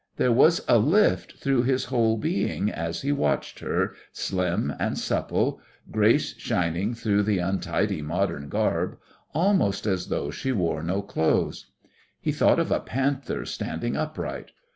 There was a lift through his whole being as he watched her, slim and supple, grace shining through the untidy modern garb almost as though she wore no clothes. He thought of a panther standing upright.